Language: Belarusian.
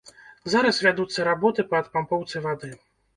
Зараз вядуцца работы па адпампоўцы вады.